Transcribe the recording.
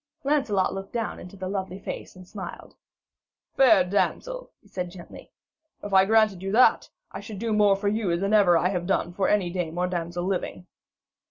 Lancelot looked down into the lovely face and smiled: 'Fair damsel,' he said gently, 'if I granted you that, I should do more for you than ever I have done for any dame or damsel living.'